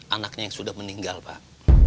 anaknya yang sudah meninggal pak